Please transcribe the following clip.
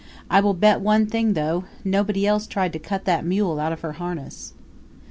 I will bet one thing, though nobody else tried to cut that mule out of her harness.